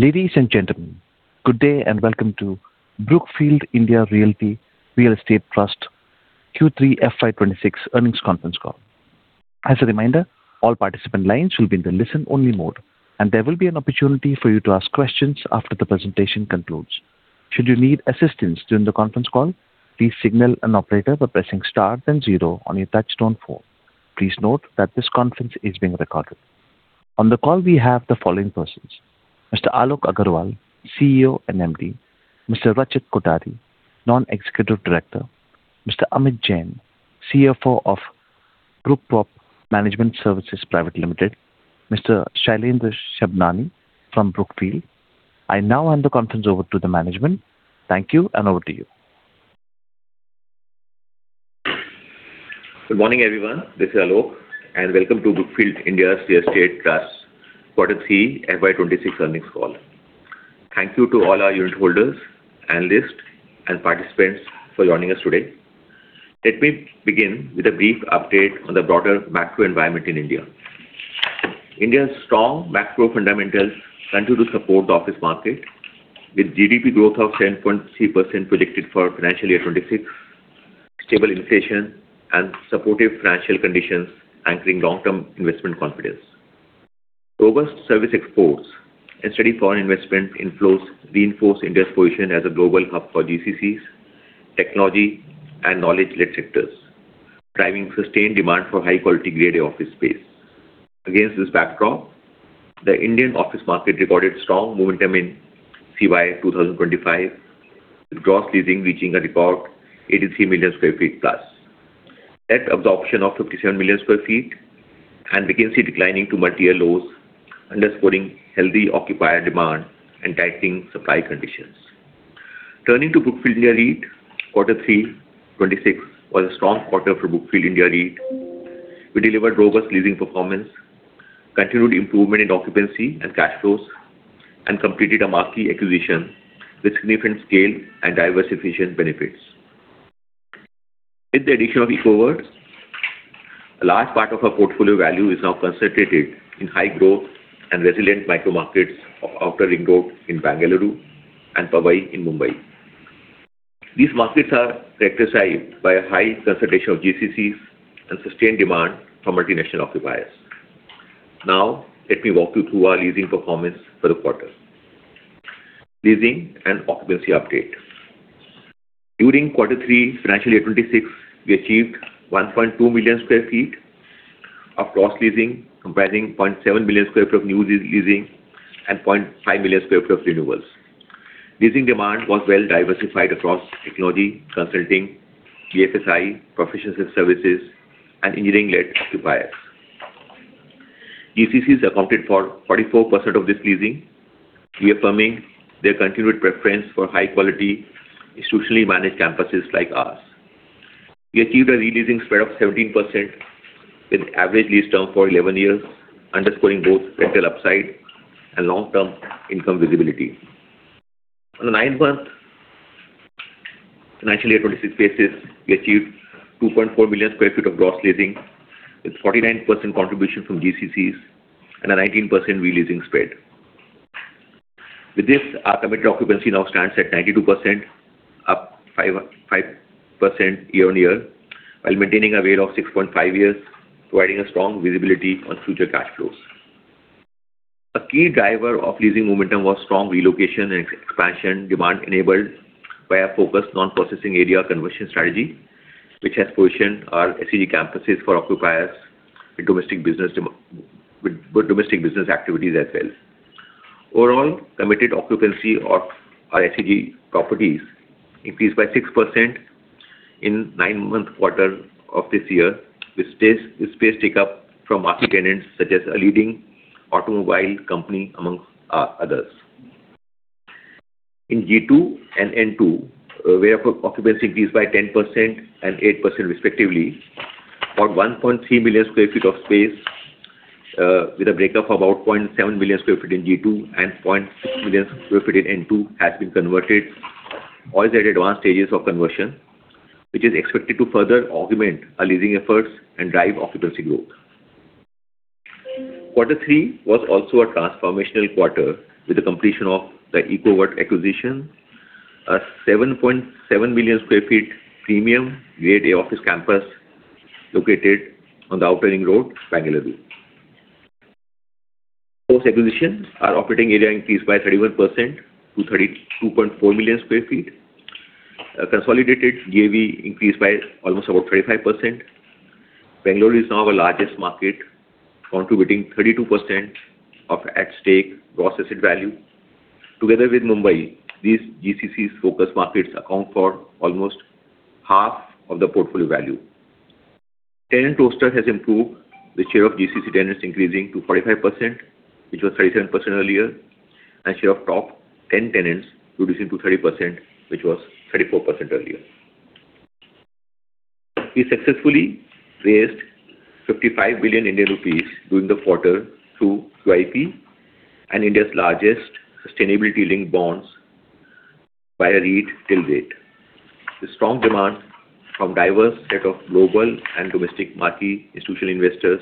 Ladies and gentlemen, good day and welcome to Brookfield India Real Estate Trust Q3 FY26 earnings conference call. As a reminder, all participant lines will be in the listen-only mode, and there will be an opportunity for you to ask questions after the presentation concludes. Should you need assistance during the conference call, please signal an operator by pressing star then zero on your touch-tone phone. Please note that this conference is being recorded. On the call, we have the following persons: Mr. Alok Aggarwal, CEO and MD; Mr. Rachit Kothari, non-executive director; Mr. Amit Jain, CFO of Brookprop Management Services Private Limited; Mr. Shailendra Sabhnani from Brookfield. I now hand the conference over to the management. Thank you, and over to you. Good morning, everyone. This is Alok, and welcome to Brookfield India Real Estate Trust Q3 FY26 earnings call. Thank you to all our unit holders, analysts, and participants for joining us today. Let me begin with a brief update on the broader macro environment in India. India's strong macro fundamentals continue to support the office market, with GDP growth of 7.3% projected for financial year 2026, stable inflation, and supportive financial conditions anchoring long-term investment confidence. Robust service exports and steady foreign investment inflows reinforce India's position as a global hub for GCCs, technology, and knowledge-led sectors, driving sustained demand for high-quality Grade A office space. Against this backdrop, the Indian office market recorded strong momentum in CY 2025, with gross leasing reaching a record 83 million sq ft plus. Net absorption of 57 million sq ft has begun to decline to multi-year lows, underscoring healthy occupier demand and tightening supply conditions. Turning to Brookfield India REIT, Q3 2026 was a strong quarter for Brookfield India REIT. We delivered robust leasing performance, continued improvement in occupancy and cash flows, and completed a marquee acquisition with significant scale and diversification benefits. With the addition of Ecoworld, a large part of our portfolio value is now concentrated in high-growth and resilient micro markets of Outer Ring Road in Bangalore and Powai in Mumbai. These markets are characterized by a high concentration of GCCs and sustained demand for multinational occupiers. Now, let me walk you through our leasing performance for the quarter. Leasing and occupancy update. During Q3 financial year 2026, we achieved 1.2 million sq ft of gross leasing, comprising 0.7 million sq ft of new leasing and 0.5 million sq ft of renewals. Leasing demand was well-diversified across technology, consulting, GFSI, proficiency services, and engineering-led occupiers. GCCs accounted for 44% of this leasing, reaffirming their continued preference for high-quality, institutionally managed campuses like ours. We achieved a releasing spread of 17% with an average lease term for 11 years, underscoring both rental upside and long-term income visibility. On the nine-month financial year 2026 basis, we achieved 2.4 million sq ft of gross leasing, with 49% contribution from GCCs and a 19% releasing spread. With this, our committed occupancy now stands at 92%, up 5% year-on-year, while maintaining a WALT of 6.5 years, providing a strong visibility on future cash flows. A key driver of leasing momentum was strong relocation and expansion demand enabled by our focused non-processing area conversion strategy, which has positioned our SCG campuses for occupiers with domestic business activities as well. Overall, committed occupancy of our SCG properties increased by 6% in the nine-month quarter of this year, with space take-up from marquee tenants such as a leading automobile company, among others. In G2 and N2, the rate of occupancy increased by 10% and 8% respectively for 1.3 million sq ft of space, with a breakup of about 0.7 million sq ft in G2 and 0.6 million sq ft in N2, which has been converted or is at advanced stages of conversion, which is expected to further augment our leasing efforts and drive occupancy growth. Quarter three was also a transformational quarter with the completion of the Ecoworld acquisition, a 7.7 million sq ft premium grade A office campus located on the Outer Ring Road, Bangalore. Post-acquisition, our operating area increased by 31% to 32.4 million sq ft. Consolidated GAV increased by almost about 35%. Bangalore is now the largest market, contributing 32% of estate gross asset value. Together with Mumbai, these GCCs' focus markets account for almost half of the portfolio value. Tenant roster has improved, with share of GCC tenants increasing to 45%, which was 37% earlier, and share of top 10 tenants reducing to 30%, which was 34% earlier. We successfully raised 55 billion Indian rupees during the quarter through QIP, and India's largest sustainability-linked bonds via REIT till date. The strong demand from a diverse set of global and domestic marquee institutional investors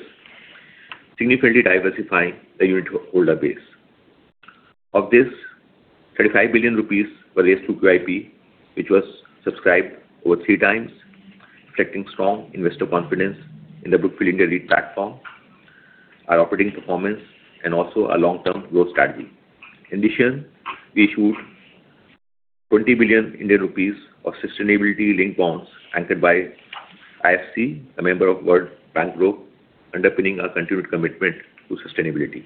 significantly diversified the unit holder base. Of this, 35 billion rupees were raised through QIP, which was subscribed over three times, reflecting strong investor confidence in the Brookfield India REIT platform, our operating performance, and also our long-term growth strategy. In addition, we issued 20 billion Indian rupees of sustainability-linked bonds anchored by IFC, a member of World Bank Group, underpinning our continued commitment to sustainability.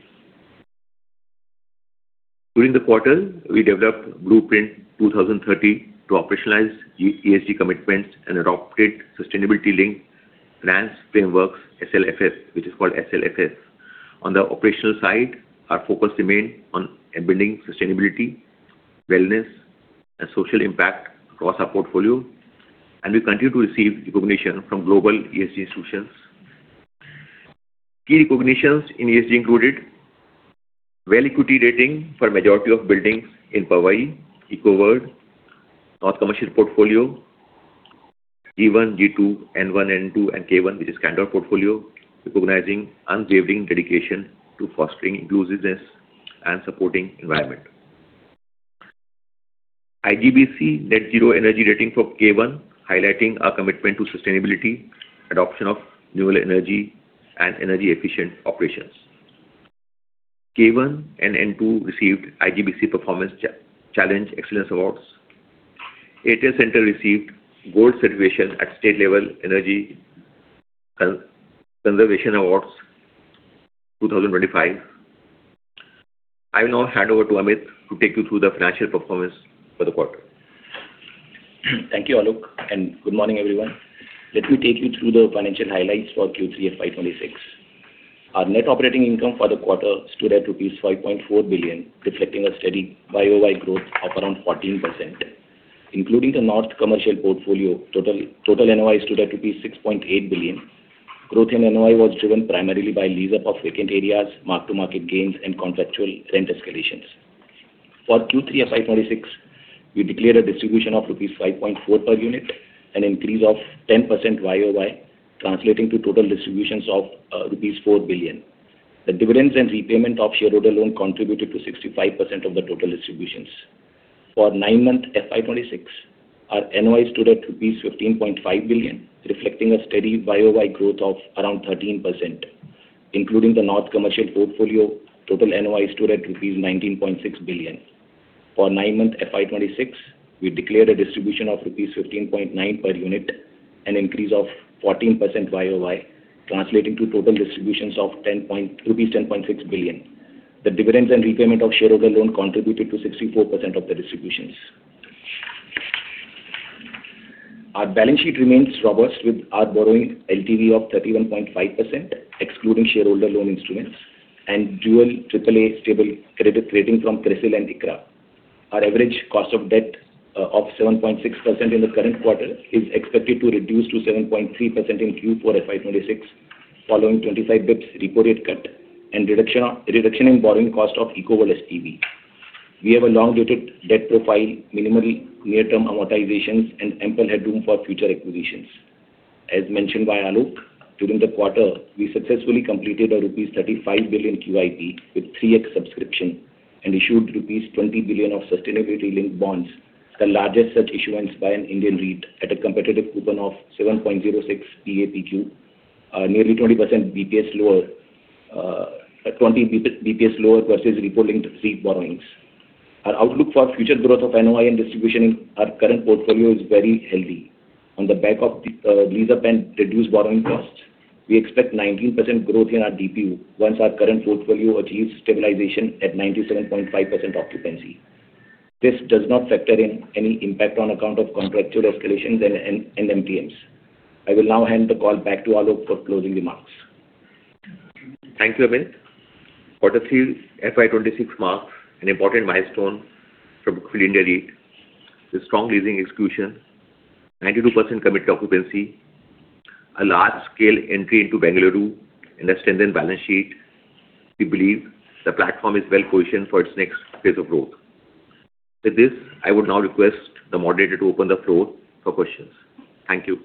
During the quarter, we developed Blueprint 2030 to operationalize ESG commitments and adopted sustainability-linked finance frameworks, SLFF, which is called SLFF. On the operational side, our focus remained on embedding sustainability, wellness, and social impact across our portfolio, and we continue to receive recognition from global ESG institutions. Key recognitions in ESG included WELL rating for the majority of buildings in Powai, Ecoworld, North Commercial portfolio, G1, G2, N1, N2, and K1, which is Candor portfolio, recognizing unwavering dedication to fostering inclusiveness and supporting the environment. IGBC net zero energy rating for K1, highlighting our commitment to sustainability, adoption of renewable energy, and energy-efficient operations. K1 and N2 received IGBC Performance Challenge Excellence Awards. Airtel Center received Gold Certification at State Level Energy Conservation Awards 2025. I will now hand over to Amit to take you through the financial performance for the quarter. Thank you, Alok, and good morning, everyone. Let me take you through the financial highlights for Q3 FY26. Our net operating income for the quarter stood at rupees 5.4 billion, reflecting a steady YOY growth of around 14%. Including the North Commercial portfolio, total NOI stood at rupees 6.8 billion. Growth in NOI was driven primarily by lease-up of vacant areas, mark-to-market gains, and contractual rent escalations. For Q3 FY26, we declared a distribution of rupees 5.4 per unit, an increase of 10% YOY, translating to total distributions of rupees 4 billion. The dividends and repayment of shareholder loan contributed to 65% of the total distributions. For nine-month FY26, our NOI stood at rupees 15.5 billion, reflecting a steady YOY growth of around 13%. Including the North Commercial portfolio, total NOI stood at rupees 19.6 billion. For nine-month FY26, we declared a distribution of rupees 15.9 per unit, an increase of 14% YOY, translating to total distributions of rupees 10.6 billion. The dividends and repayment of shareholder loan contributed to 64% of the distributions. Our balance sheet remains robust with our borrowing LTV of 31.5%, excluding shareholder loan instruments, and dual AAA stable credit rating from CRISIL and ICRA. Our average cost of debt of 7.6% in the current quarter is expected to reduce to 7.3% in Q4 FY26, following 25 basis points reported cut and reduction in borrowing cost of Ecoworld SPV. We have a long-dated debt profile, minimal near-term amortizations, and ample headroom for future acquisitions. As mentioned by Alok, during the quarter, we successfully completed a rupees 35 billion QIP with 3X subscription and issued rupees 20 billion of sustainability-linked bonds, the largest such issuance by an Indian REIT at a competitive coupon of 7.06%, nearly 20 BPS lower versus repo-linked REIT borrowings. Our outlook for future growth of NOI and distribution in our current portfolio is very healthy. On the back of lease-up and reduced borrowing costs, we expect 19% growth in our DPU once our current portfolio achieves stabilization at 97.5% occupancy. This does not factor in any impact on account of contractual escalations and MTMs. I will now hand the call back to Alok for closing remarks. Thank you, Amit. Quarter three FY26 marks an important milestone for Brookfield India REIT with strong leasing execution, 92% commit to occupancy, a large-scale entry into Bangalore. In the strengthened balance sheet, we believe the platform is well-positioned for its next phase of growth. With this, I would now request the moderator to open the floor for questions. Thank you.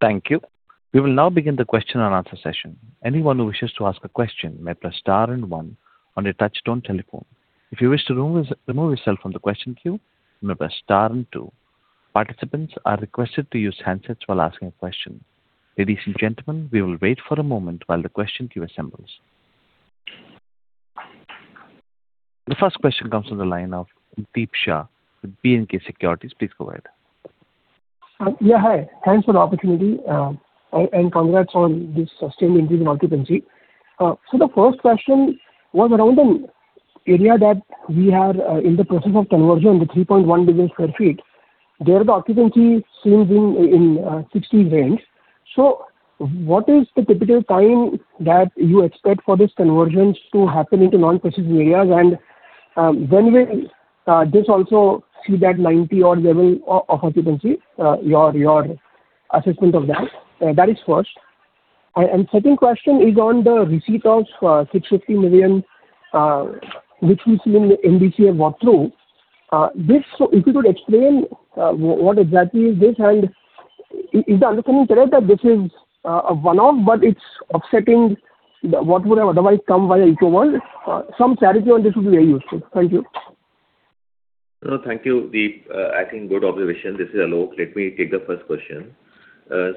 Thank you. We will now begin the question and answer session. Anyone who wishes to ask a question may press star and one on a touch-tone telephone. If you wish to remove yourself from the question queue, press star and two. Participants are requested to use handsets while asking a question. Ladies and gentlemen, we will wait for a moment while the question queue assembles. The first question comes from the line of Deep Shah with B&K Securities. Please go ahead. Yeah, hi. Thanks for the opportunity and congrats on this sustained increase in occupancy. So the first question was around an area that we are in the process of conversion to 3.1 million sq ft. There, the occupancy seems in 60% range. So what is the typical time that you expect for this conversion to happen into non-SEZ areas? And when will this also see that 90-odd% level of occupancy? Your assessment of that. That is first. And second question is on the receipt of 650 million, which we see in the NDCF walkthrough. If you could explain what exactly is this and is the understanding today that this is a one-off, but it's offsetting what would have otherwise come via Ecoworld? Some clarity on this would be very useful. Thank you. No, thank you, Deep. I think good observation. This is Alok. Let me take the first question.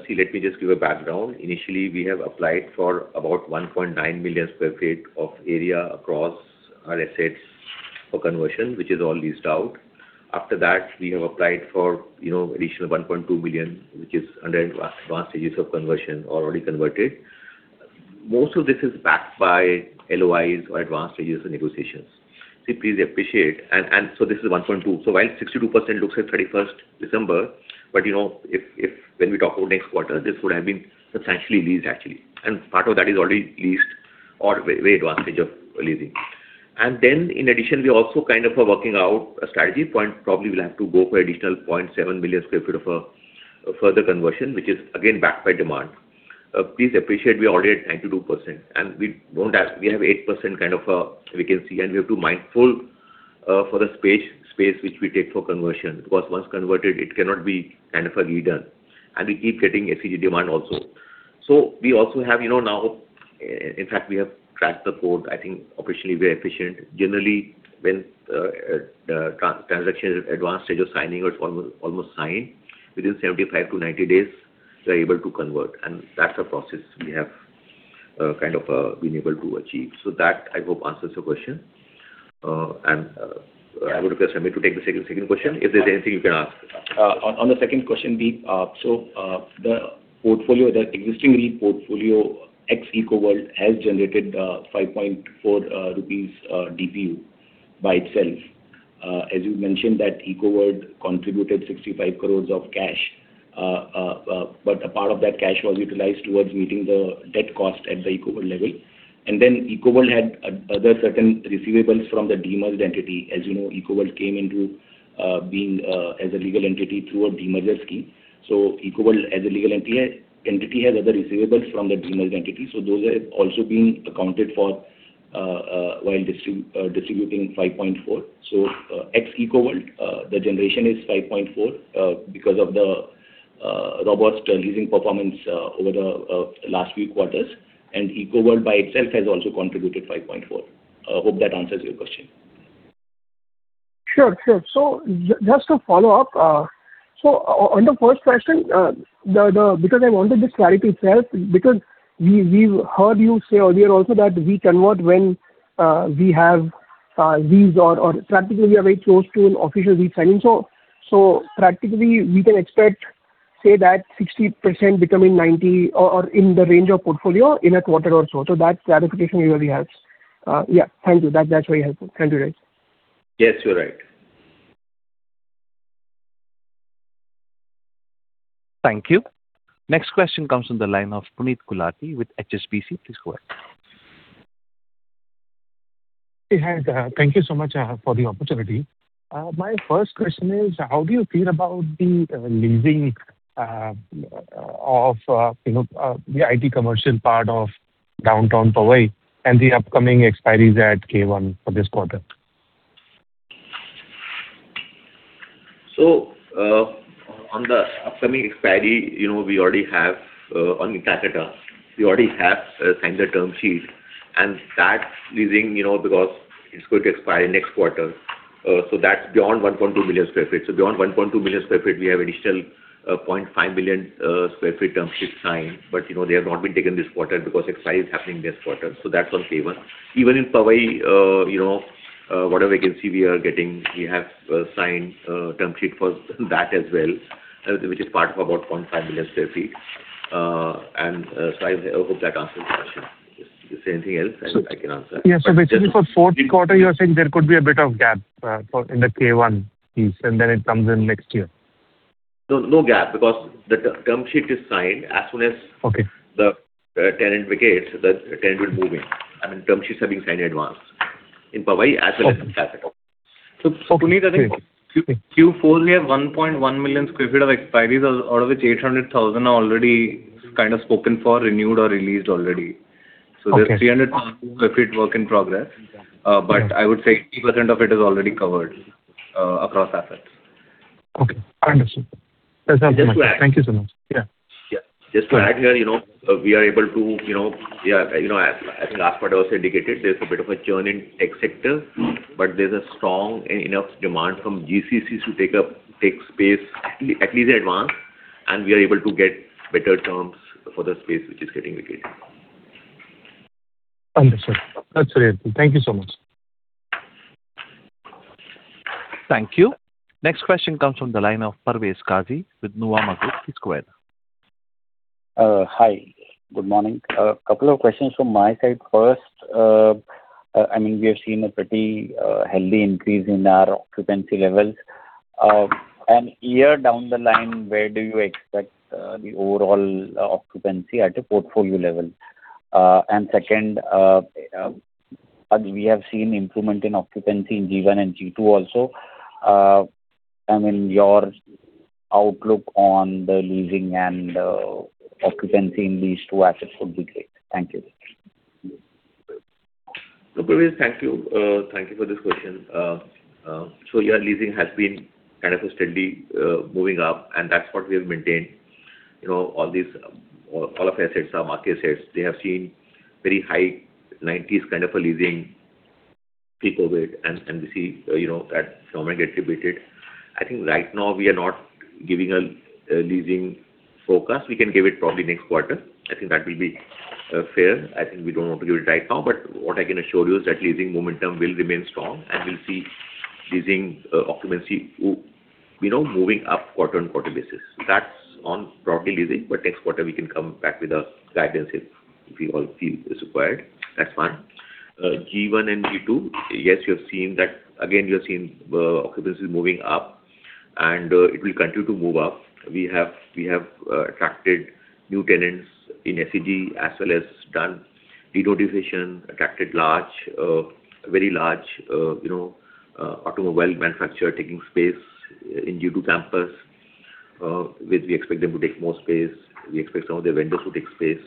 See, let me just give a background. Initially, we have applied for about 1.9 million sq ft of area across our assets for conversion, which is all leased out. After that, we have applied for additional 1.2 million, which is under advanced stages of conversion or already converted. Most of this is backed by LOIs or advanced stages of negotiations. See, please appreciate. And so this is 1.2. So while 62% looks at 31st December, but when we talk about next quarter, this would have been substantially leased, actually. And part of that is already leased or way advanced stage of leasing. And then, in addition, we also kind of are working out a strategy. Probably we'll have to go for additional 0.7 million sq ft of a further conversion, which is again backed by demand. Please appreciate, we are already at 92%. And we have 8% kind of a vacancy, and we have to mindful for the space which we take for conversion because once converted, it cannot be kind of redone. And we keep getting SCG demand also. So we also have now, in fact, we have tracked the code. I think operationally, we are efficient. Generally, when the transaction is advanced stage of signing or it's almost signed, within 75-90 days, we are able to convert. And that's a process we have kind of been able to achieve. So that, I hope, answers your question. And I would request Amit to take the second question. If there's anything you can ask. On the second question, Deep, so the portfolio, the existing REIT portfolio, ex-Ecoworld, has generated 5.4 rupees DPU by itself. As you mentioned, that Ecoworld contributed 65 crore of cash, but a part of that cash was utilized towards meeting the debt cost at the Ecoworld level. And then Ecoworld had other certain receivables from the demerged entity. As you know, Ecoworld came into being as a legal entity through a demerger scheme. So Ecoworld, as a legal entity, has other receivables from the demerged entity. So those have also been accounted for while distributing 5.4. So ex-Ecoworld, the generation is 5.4 because of the robust leasing performance over the last few quarters. And Ecoworld by itself has also contributed 5.4. I hope that answers your question. Sure, sure. So just to follow up, so on the first question, because I wanted this clarity itself, because we've heard you say earlier also that we convert when we have REITs or practically we are very close to an official REIT signing. So practically, we can expect, say, that 60% becoming 90% or in the range of portfolio in a quarter or so. So that clarification you already have. Yeah, thank you. That's very helpful. Thank you, guys. Yes, you're right. Thank you. Next question comes from the line of Puneet Gulati with HSBC. Please go ahead. Hey, Hank. Thank you so much for the opportunity. My first question is, how do you feel about the leasing of the IT commercial part of Downtown Powai and the upcoming expiry at K1 for this quarter? So on the upcoming expiry, we already have on Noida, we already have signed the term sheet. And that leasing, because it's going to expire next quarter, so that's beyond 1.2 million sq ft. So beyond 1.2 million sq ft, we have additional 0.5 million sq ft term sheet signed. But they have not been taken this quarter because expiry is happening next quarter. So that's on K1. Even in Powai, whatever vacancy we are getting, we have signed term sheet for that as well, which is part of about 0.5 million sq ft. And so I hope that answers the question. Is there anything else I can answer? Yes, so basically for fourth quarter, you're saying there could be a bit of gap in the K1 piece, and then it comes in next year? No, no gap because the term sheet is signed as soon as the tenant vacates, the tenant will move in. I mean, term sheets are being signed in advance in Powai as well as Noida. So Puneet, I think Q4, we have 1.1 million sq ft of expiry, out of which 800,000 are already kind of spoken for, renewed or released already. So there's 300,000 sq ft work in progress, but I would say 80% of it is already covered across assets. Okay. Understood. That's helpful. Thank you so much. Yeah. Yeah. Just to add here, we are able to, yeah, as last quarter was indicated, there's a bit of a churn in tech sector, but there's a strong enough demand from GCCs to take up, take space at least in advance, and we are able to get better terms for the space which is getting vacated. Understood. That's very helpful. Thank you so much. Thank you. Next question comes from the line of Parvez Qazi with Nuvama. Please go ahead. Hi. Good morning. A couple of questions from my side first. I mean, we have seen a pretty healthy increase in our occupancy levels. And here down the line, where do you expect the overall occupancy at a portfolio level? And second, we have seen improvement in occupancy in G1 and G2 also. I mean, your outlook on the leasing and occupancy in these two assets would be great. Thank you. Parvees, thank you. Thank you for this question. So yeah, leasing has been kind of steadily moving up, and that's what we have maintained. All of our assets are market assets. They have seen very high 90s kind of a leasing peak of it, and we see that phenomenon getting repeated. I think right now we are not giving a leasing focus. We can give it probably next quarter. I think that will be fair. I think we don't want to give it right now, but what I can assure you is that leasing momentum will remain strong, and we'll see leasing occupancy moving up quarter-on-quarter basis. That's on property leasing, but next quarter we can come back with a guidance if we all feel it's required. That's fine. G1 and G2, yes, you have seen that. Again, you have seen occupancy moving up, and it will continue to move up. We have attracted new tenants in SEZ as well as done de-notification, attracted very large automobile manufacturers taking space in G2 campus, which we expect them to take more space. We expect some of the vendors to take space.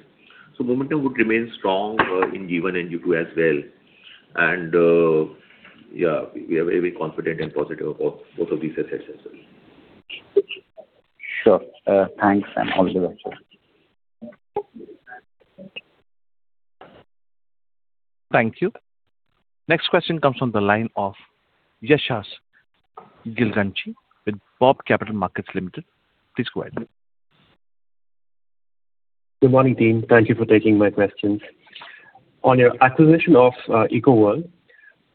So momentum would remain strong in G1 and G2 as well. And yeah, we are very confident and positive about both of these assets as well. Sure. Thanks, and all the best. Thank you. Next question comes from the line of Yashas Gilganchi with BOB Capital Markets Limited. Please go ahead. Good morning, team. Thank you for taking my questions. On your acquisition of Ecoworld,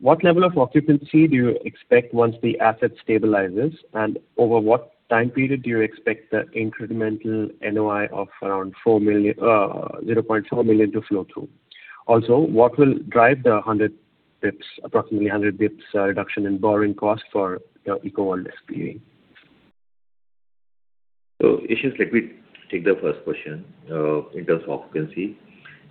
what level of occupancy do you expect once the asset stabilizes, and over what time period do you expect the incremental NOI of around 0.4 million to flow through? Also, what will drive the approximately 100 basis points reduction in borrowing cost for the Ecoworld SPV? So issues, let me take the first question in terms of occupancy.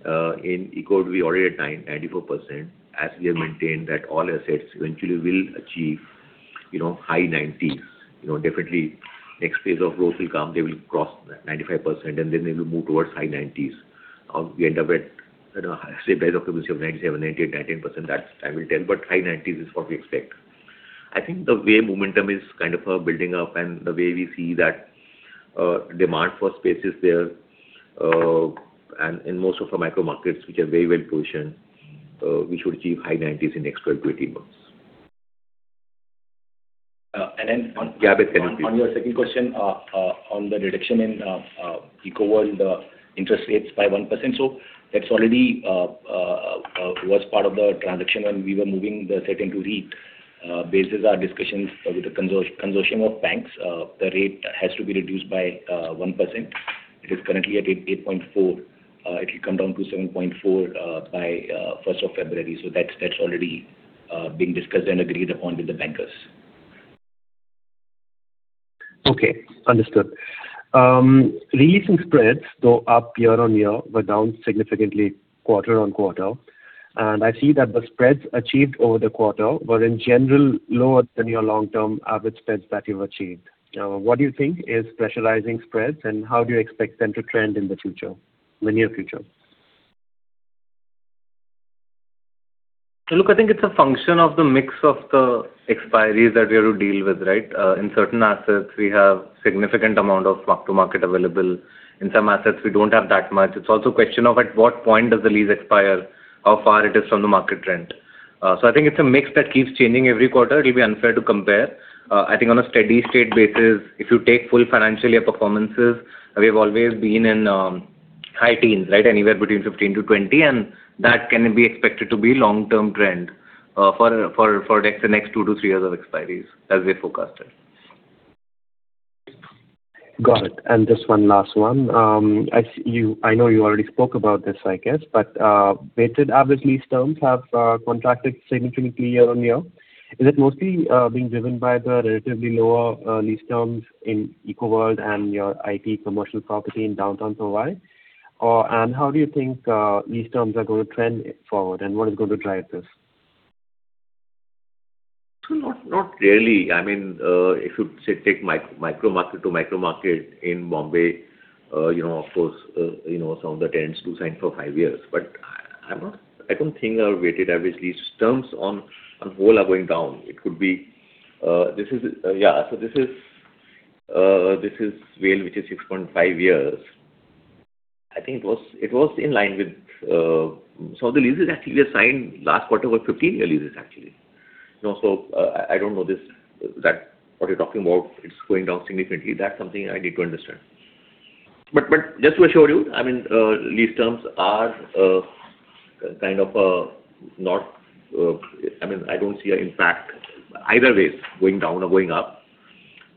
In Ecoworld, we are already at 94%, as we have maintained that all assets eventually will achieve high 90s. Definitely, next phase of growth will come. They will cross 95%, and then they will move towards high 90s. We end up with, say, occupancy of 97%, 98%, 99%. That's, I will tell, but high 90s is what we expect. I think the way momentum is kind of building up and the way we see that demand for space is there, and in most of our micro markets, which are very well positioned, we should achieve high 90s in the next 12 to 18 months. And then, on your second question on the reduction in Ecoworld interest rates by 1%, so that's already was part of the transaction when we were moving the SEZ into REIT. Based on our discussions with the consortium of banks, the rate has to be reduced by 1%. It is currently at 8.4. It will come down to 7.4 by 1st of February. So that's already being discussed and agreed upon with the bankers. Okay. Understood. Releasing spreads go up year-on-year, but down significantly quarter-on-quarter. I see that the spreads achieved over the quarter were in general lower than your long-term average spreads that you've achieved. What do you think is pressurizing spreads, and how do you expect them to trend in the near future? Look, I think it's a function of the mix of the expiries that we are dealing with, right? In certain assets, we have a significant amount of mark-to-market available. In some assets, we don't have that much. It's also a question of at what point does the lease expire, how far it is from the market trend. So I think it's a mix that keeps changing every quarter. It'll be unfair to compare. I think on a steady-state basis, if you take full financial year performances, we have always been in high teens, right? Anywhere between 15-20, and that can be expected to be a long-term trend for the next 2-3 years of expiries as we've forecasted. Got it. And just one last one. I know you already spoke about this, I guess, but weighted average lease terms have contracted significantly year-on-year. Is it mostly being driven by the relatively lower lease terms in Ecoworld and your IT commercial property in Downtown Powai? And how do you think lease terms are going to trend forward, and what is going to drive this? Not really. I mean, if you take micro market to micro market in Bombay, of course, some of the tenants do sign for 5 years. But I don't think our weighted average lease terms on the whole are going down. It could be this is, yeah, so this is WALT, which is 6.5 years. I think it was in line with some of the leases actually signed last quarter were 15-year leases, actually. So I don't know what you're talking about. It's going down significantly. That's something I need to understand. But just to assure you, I mean, lease terms are kind of not, I mean, I don't see an impact either way, going down or going up.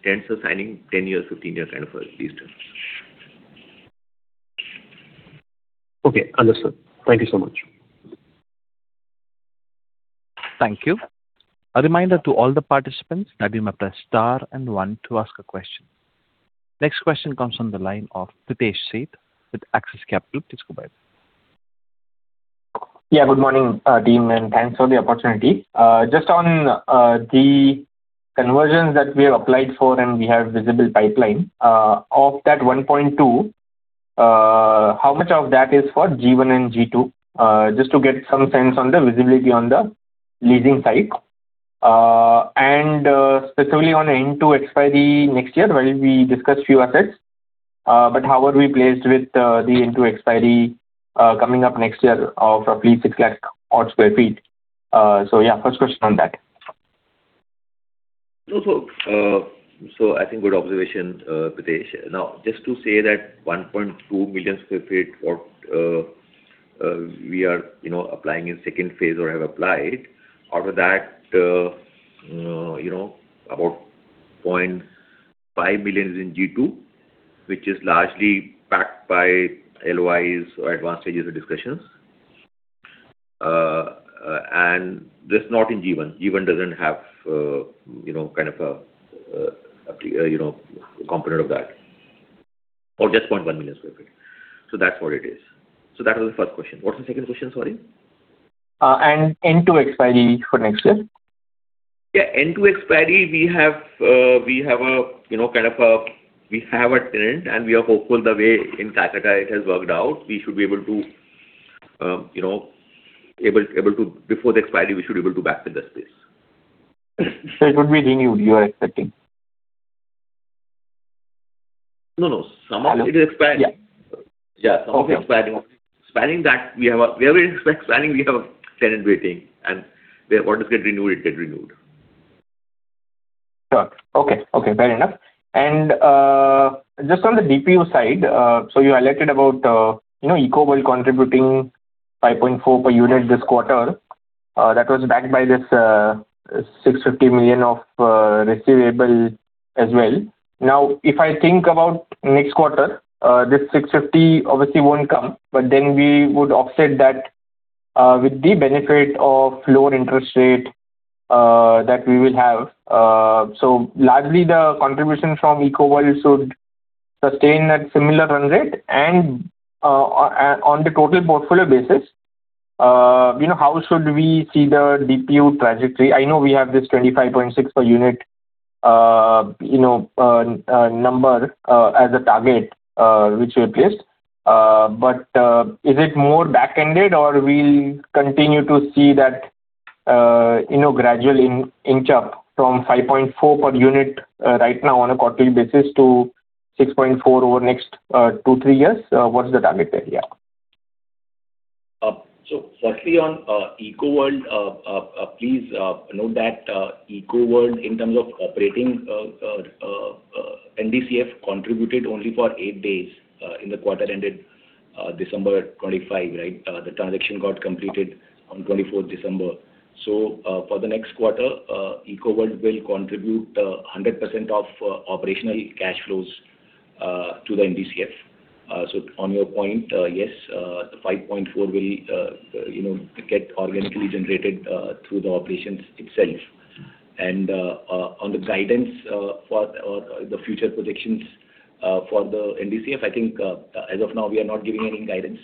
Tenants are signing 10-year, 15-year kind of lease terms. Okay. Understood. Thank you so much. Thank you. A reminder to all the participants you may press star and one to ask a question. Next question comes from the line of Pritesh Sheth with Axis Capital. Please go ahead. Yeah, good morning, team, and thanks for the opportunity. Just on the conversions that we have applied for and we have visible pipeline, of that 1.2, how much of that is for G1 and G2? Just to get some sense on the visibility on the leasing side. And specifically on N2 expiry next year, well, we discussed a few assets, but how are we placed with the N2 expiry coming up next year of roughly 600,000 sq ft? So yeah, first question on that. So I think good observation, Pritesh. Now, just to say that 1.2 million sq ft for we are applying in second phase or have applied. Out of that, about 0.5 million is in G2, which is largely backed by LOIs or advanced stages of discussions. And that's not in G1. G1 doesn't have kind of a component of that. Or just 0.1 million sq ft. So that's what it is. So that was the first question. What's the second question, sorry? N2 expiry for next year? Yeah. N2 expiry, we have kind of a tenant, and we are hopeful the way in Noida it has worked out, we should be able to backfill the space before the expiry. It would be renewed. You are expecting? No, no. Some of it is expanding. Yeah, some of it's expanding. We have a tenant waiting, and what is getting renewed, it gets renewed. Sure. Okay. Okay. Fair enough. Just on the DPU side, so you highlighted about Ecoworld contributing 5.4 per unit this quarter. That was backed by this 650 million of receivable as well. Now, if I think about next quarter, this 650 obviously won't come, but then we would offset that with the benefit of lower interest rate that we will have. So largely, the contribution from Ecoworld should sustain that similar run rate. And on the total portfolio basis, how should we see the DPU trajectory? I know we have this 25.6 per unit number as a target which we have placed, but is it more back-ended, or will we continue to see that gradual inch up from 5.4 per unit right now on a quarterly basis to 6.4 over next two, three years? What's the target area? So certainly on Ecoworld, please note that Ecoworld, in terms of operating, NDCF contributed only for 8 days in the quarter ended December 25, right? The transaction got completed on 24th December. So for the next quarter, Ecoworld will contribute 100% of operational cash flows to the NDCF. So on your point, yes, 5.4 will get organically generated through the operations itself. And on the guidance for the future projections for the NDCF, I think as of now, we are not giving any guidance.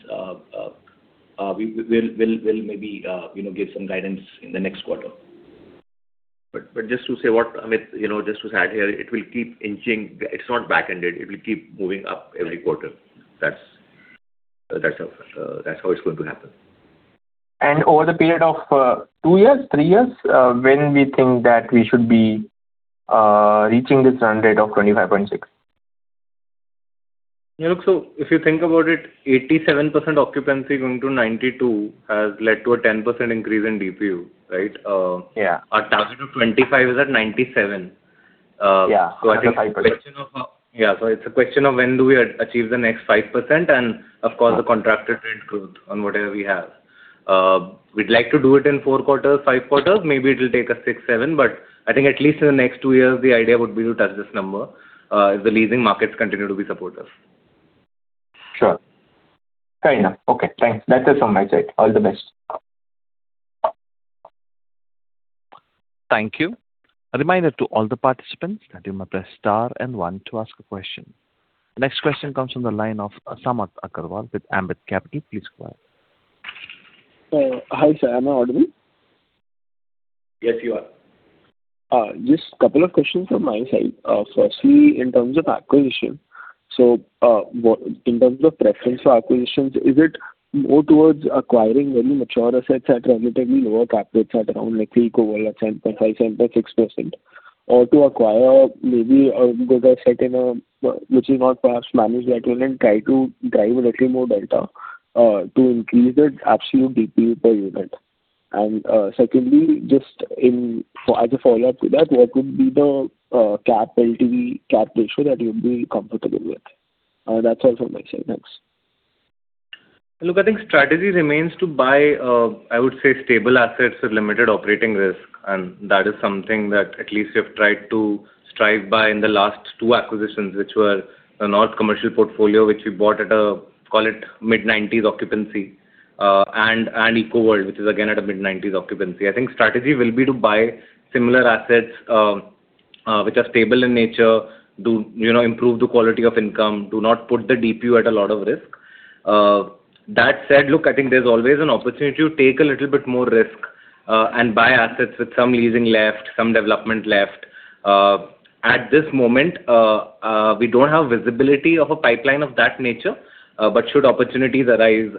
We'll maybe give some guidance in the next quarter. But just to say what Amit just was adding here, it will keep inching. It's not back-ended. It will keep moving up every quarter. That's how it's going to happen. Over the period of 2 years, 3 years, when do we think that we should be reaching this run rate of 25.6? Yeah. Look, so if you think about it, 87% occupancy going to 92 has led to a 10% increase in DPU, right? Our target of 25 is at 97. So I think it's a question of yeah, so it's a question of when do we achieve the next 5%, and of course, the contractor trend growth on whatever we have. We'd like to do it in four quarters, five quarters. Maybe it'll take us six, seven, but I think at least in the next two years, the idea would be to touch this number if the leasing markets continue to be supportive. Sure. Fair enough. Okay. Thanks. That's it from my side. All the best. Thank you. A reminder to all the participants, Nabil, Mahprastar, and Wan to ask a question. The next question comes from the line of Sanjay Agarwal with Ambit Capital. Please go ahead. Hi, sir. I'm Arjun. Yes, you are. Just a couple of questions from my side. Firstly, in terms of acquisition, so in terms of preference for acquisitions, is it more towards acquiring very mature assets at relatively lower cap rates at around, let's say, Ecoworld at 7.5%-7.6%, or to acquire maybe a good asset which is not perhaps managed right well and try to drive a little more delta to increase the absolute DPU per unit? And secondly, just as a follow-up to that, what would be the cap LTV cap ratio that you'd be comfortable with? That's all from my side. Thanks. Look, I think strategy remains to buy, I would say, stable assets with limited operating risk. And that is something that at least we have tried to strive by in the last two acquisitions, which were the North Commercial portfolio, which we bought at a, call it, mid-90s occupancy, and Ecoworld, which is again at a mid-90s occupancy. I think strategy will be to buy similar assets which are stable in nature, improve the quality of income, do not put the DPU at a lot of risk. That said, look, I think there's always an opportunity to take a little bit more risk and buy assets with some leasing left, some development left. At this moment, we don't have visibility of a pipeline of that nature, but should opportunities arise,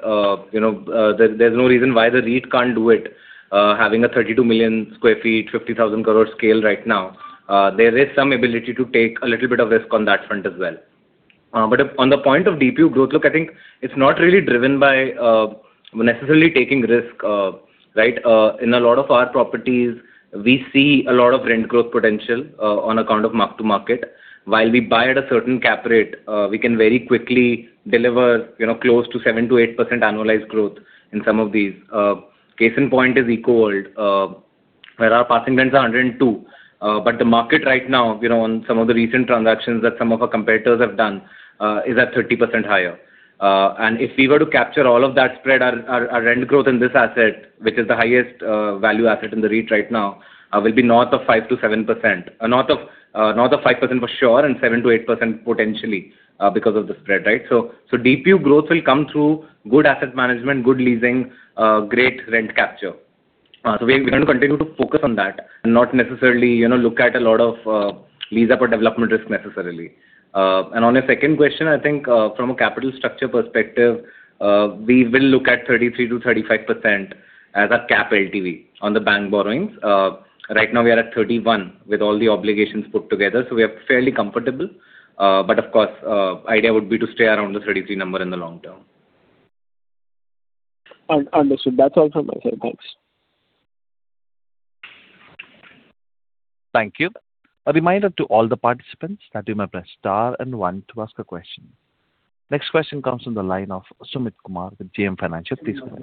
there's no reason why the REIT can't do it, having a 32 million sq ft, 50,000 crore scale right now. There is some ability to take a little bit of risk on that front as well. But on the point of DPU growth, look, I think it's not really driven by necessarily taking risk, right? In a lot of our properties, we see a lot of rent growth potential on account of mark-to-market. While we buy at a certain cap rate, we can very quickly deliver close to 7%-8% annualized growth in some of these. Case in point is Ecoworld, where our passing rents are 102, but the market right now, on some of the recent transactions that some of our competitors have done, is at 30% higher. And if we were to capture all of that spread, our rent growth in this asset, which is the highest value asset in the REIT right now, will be north of 5%-7%. North of 5% for sure and 7%-8% potentially because of the spread, right? So DPU growth will come through good asset management, good leasing, great rent capture. So we're going to continue to focus on that and not necessarily look at a lot of lease-up or development risk necessarily. On your second question, I think from a capital structure perspective, we will look at 33%-35% as a cap LTV on the bank borrowings. Right now, we are at 31 with all the obligations put together, so we are fairly comfortable. But of course, the idea would be to stay around the 33 number in the long term. Understood. That's all from my side. Thanks. Thank you. A reminder to all the participants, Nabil, Mahprastar, and Wan to ask a question. Next question comes from the line of Sumit Kumar with JM Financial. Please go ahead.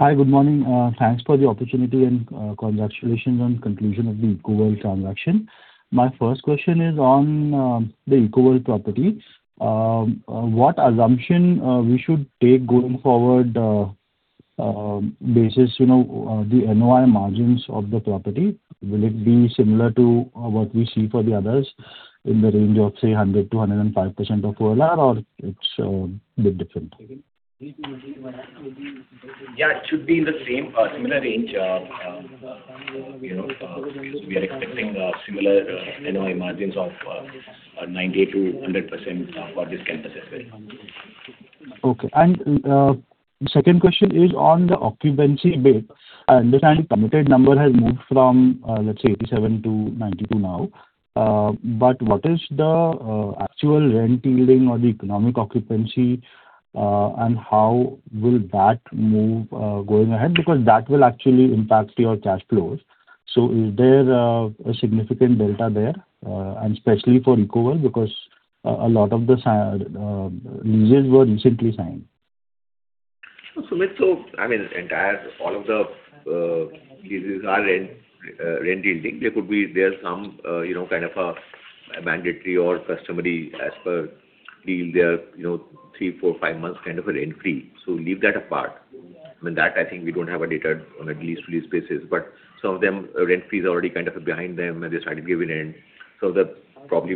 Hi, good morning. Thanks for the opportunity and congratulations on the conclusion of the Ecoworld transaction. My first question is on the Ecoworld property. What assumption we should take going forward basis the NOI margins of the property? Will it be similar to what we see for the others in the range of, say, 100%-105% of OLR, or it's a bit different? Yeah, it should be in the same similar range. We are expecting similar NOI margins of 90%-100% for this campus as well. Okay. The second question is on the occupancy bit. I understand the permitted number has moved from, let's say, 87%-92% now, but what is the actual rent yielding or the economic occupancy, and how will that move going ahead? Because that will actually impact your cash flows. So is there a significant delta there, and especially for Ecoworld, because a lot of the leases were recently signed? So I mean, all of the leases are rent yielding. There's some kind of a mandatory or customary as per deal. They are 3, 4, 5 months kind of a rent free. So leave that apart. I mean, that I think we don't have a data on a lease-to-lease basis, but some of them rent fees are already kind of behind them, and they started giving rent. Probably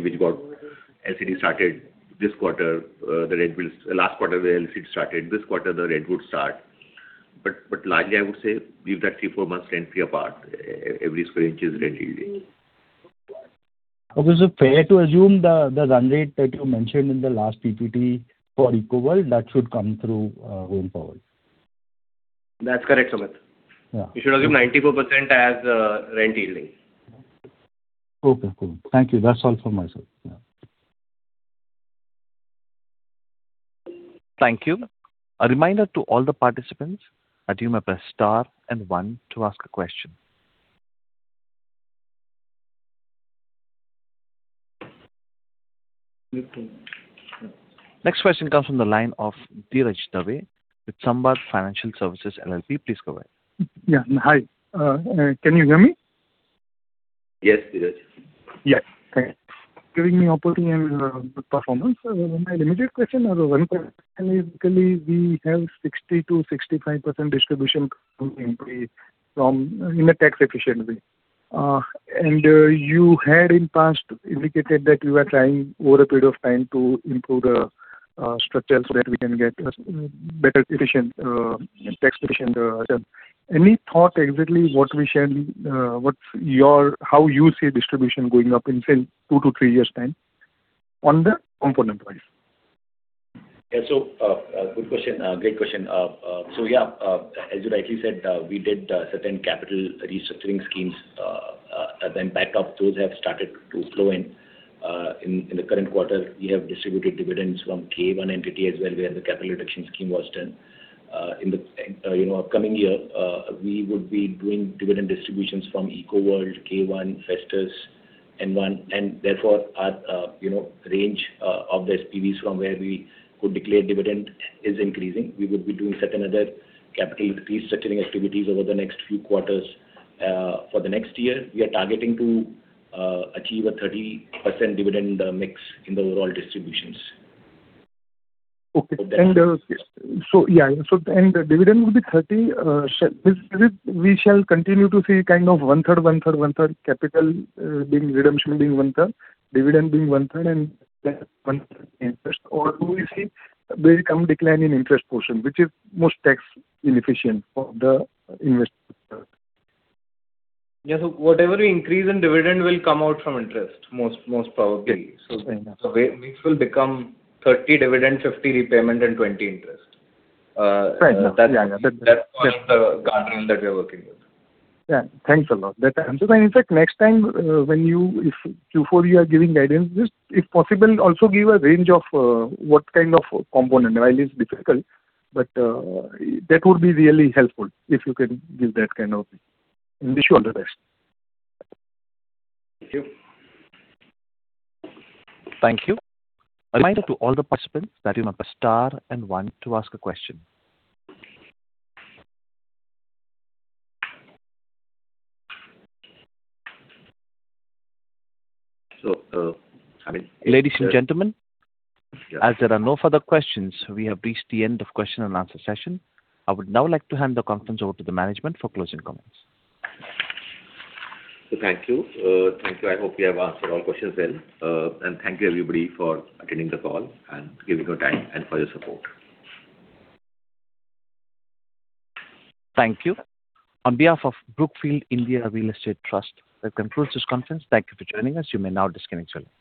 which got LCD started this quarter. The last quarter, the LCD started. This quarter, the rent would start. But largely, I would say leave that 3, 4 months rent free apart. Every square inch is rent yielding. Okay. So fair to assume the run rate that you mentioned in the last PPT for Ecoworld, that should come through going forward? That's correct, Sumit. You should assume 94% as rent yielding. Okay. Cool. Thank you. That's all from my side. Thank you. A reminder to all the participants, Nabil, Morningstar, and Wan to ask a question. Next question comes from the line of Dhiraj Dave with Samvad Financial Services LLP. Please go ahead. Yeah. Hi. Can you hear me? Yes, Dheeraj. Yes. Giving me operating and performance. My limited question is basically we have 60%-65% distribution from in a tax-efficient way. And you had in past indicated that you are trying over a period of time to improve the structure so that we can get better efficient tax-efficient return. Any thought exactly what we shared? How you see distribution going up in, say, two to three years' time on the component-wise? Yeah. So good question. Great question. So yeah, as you rightly said, we did certain capital restructuring schemes. The impact of those have started to flow in. In the current quarter, we have distributed dividends from K1 entity as well where the capital reduction scheme was done. In the upcoming year, we would be doing dividend distributions from Ecoworld, K1, Festus, N1, and therefore our range of the SPVs from where we could declare dividend is increasing. We would be doing certain other capital restructuring activities over the next few quarters for the next year. We are targeting to achieve a 30% dividend mix in the overall distributions. Okay. So yeah. The dividend would be 30. We shall continue to see kind of one-third, one-third, one-third capital redemption being one-third, dividend being one-third, and one-third interest, or do we see a decline in the interest portion, which is most tax-inefficient for the investor? Yeah. So whatever we increase in dividend will come out from interest, most probably. So the mix will become 30% dividend, 50% repayment, and 20% interest. That's the guardrail that we are working with. Yeah. Thanks a lot. That's fine. In fact, next time when you Q4, you are giving guidance, just if possible, also give a range of what kind of component. While it's difficult, but that would be really helpful if you can give that kind of thing. Wish you all the best. Thank you. Thank you. A reminder to all the participants, press star and one, to ask a question. So I mean. Ladies and gentlemen, as there are no further questions, we have reached the end of question and answer session. I would now like to hand the conference over to the management for closing comments. Thank you. Thank you. I hope you have answered all questions well. Thank you, everybody, for attending the call and giving your time and for your support. Thank you. On behalf of Brookfield India Real Estate Trust, that concludes this conference. Thank you for joining us. You may now disconnect yourself.